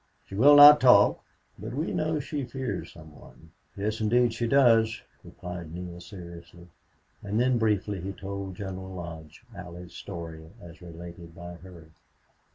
She will not talk. But we know she fears some one." "Yes, indeed she does," replied Neale, seriously. And then briefly he told General Lodge Allie's story as related by her.